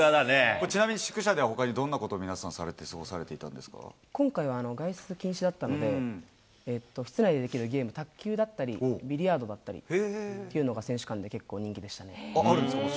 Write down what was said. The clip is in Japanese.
ちなみに宿舎ではほかにどんなことを皆さん、されて、今回は外出禁止だったので、室内でできるゲーム、卓球だったり、ビリヤードだったりっていうあるんですか？